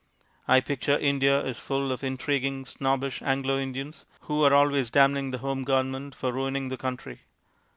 I picture India as full of intriguing, snobbish Anglo Indians, who are always damning the Home Government for ruining the country.